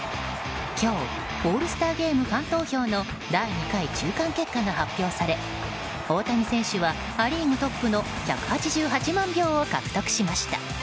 今日、オールスターゲームファン投票の第２回中間結果が発表され大谷選手はア・リーグトップの１８８万票を獲得しました。